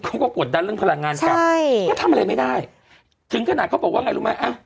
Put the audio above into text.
กดดันเรื่องพลังงานกลับใช่ก็ทำอะไรไม่ได้ถึงขนาดเขาบอกว่าไงรู้ไหมอ่ะ